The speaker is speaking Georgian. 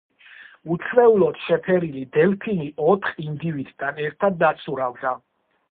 უჩვეულოდ შეფერილი დელფინი ოთხ ინდივიდთან ერთად დაცურავდა.